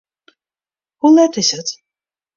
Hoe let is it?